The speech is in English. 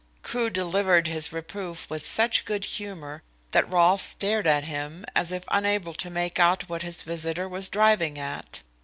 Crewe delivered his reproof with such good humour that Rolfe stared at him, as if unable to make out what his visitor was driving at.